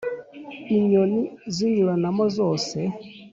(inyoni zinyuramo zose.